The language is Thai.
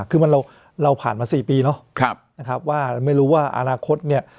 คือมันเราผ่านมา๔ปีเนาะนะครับว่าไม่รู้ว่าอนาคตเนี่ย